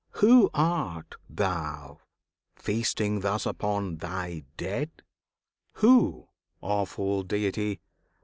Who art Thou, feasting thus upon Thy dead? Who? awful Deity!